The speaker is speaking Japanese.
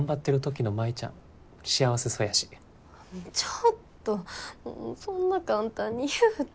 ちょっとそんな簡単に言うて。